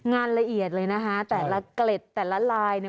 งานละเอียดเลยนะฮะแต่ละเกร็ดแต่ละลาย